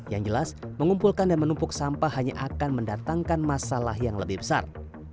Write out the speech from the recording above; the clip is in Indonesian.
yang jelas mengumpulkan dan menumpuk sampah hanya akan mendatangkan masalah yang lebih besar